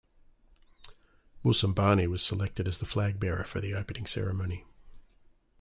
Moussambani was selected as the flag bearer for the opening ceremony.